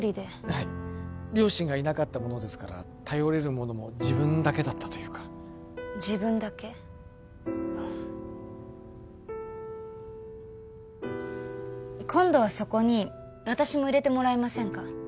はい両親がいなかったものですから頼れるものも自分だけだったというか自分だけ今度はそこに私も入れてもらえませんか？